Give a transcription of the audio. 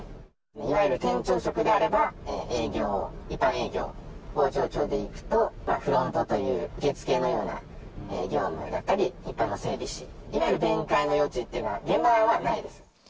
いわゆる店長職であれば、営業、一般営業、工場長でいくとフロントという受付のような業務だったり、一般の整備士、いわゆる弁解の余地っていうのは、現場にはないです。